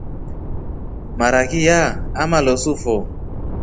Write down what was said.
Maaraki ya amalosu fo.